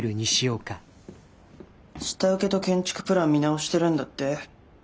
下請けと建築プラン見直してるんだって？